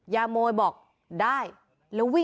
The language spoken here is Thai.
ยามวยบอกได้